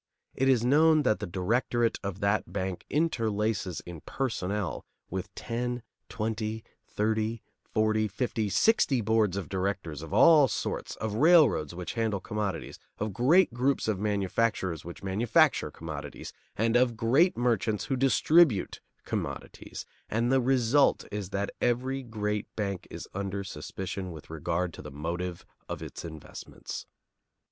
It is known that the directorate of that bank interlaces in personnel with ten, twenty, thirty, forty, fifty, sixty boards of directors of all sorts, of railroads which handle commodities, of great groups of manufacturers which manufacture commodities, and of great merchants who distribute commodities; and the result is that every great bank is under suspicion with regard to the motive of its investments.